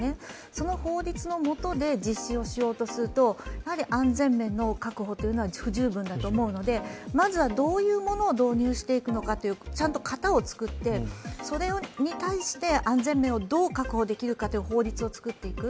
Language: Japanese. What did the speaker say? その法律のもとで実施をしようとするとやはり安全面の確保は不十分だと思うので、まずはどういうものを導入していくのかというちゃんと型を作って、それに対して安全面をどう確保できるかっていう法律を作っていく。